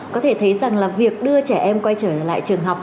có thể thấy rằng là việc đưa trẻ em quay trở lại trường học